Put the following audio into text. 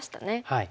はい。